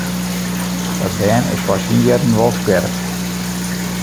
Dat bern is foar syn jierren wol skerp.